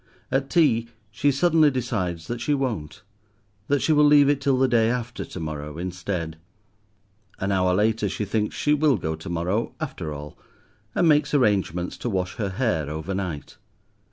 At tea, she suddenly decides that she won't, that she will leave it till the day after to morrow instead. An hour later she thinks she will go to morrow, after all, and makes arrangements to wash her hair overnight.